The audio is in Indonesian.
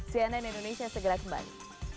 cnn indonesia segera kembali